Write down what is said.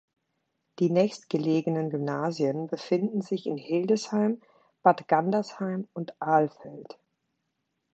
Die nächstgelegenen Gymnasien befinden sich in Hildesheim, Bad Gandersheim und Alfeld.